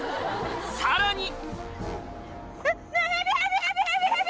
さらに！